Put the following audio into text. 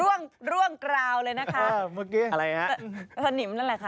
เออร่วงกราวเลยนะคะ